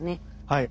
はい。